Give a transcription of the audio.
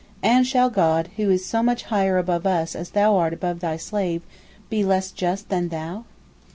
And shall God, who is so much higher above us as thou art above thy slave, be less just than thou?